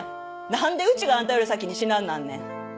何でうちがあんたより先に死なんなんねん。